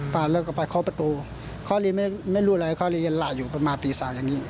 ไปหาเลือกก็ไปเข้าประตูเขาเลยไม่รู้อะไรเขาเลยยันหล่าอยู่ประมาณตี๓อย่างนี้